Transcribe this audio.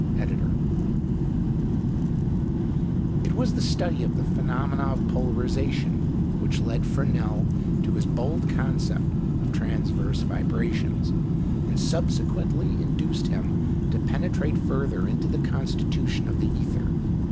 ED.] It was the study of the phenomena of polarization which led Fresnel to his bold conception of transverse vibrations, and subsequently induced him to penetrate further into the constitution of the ether.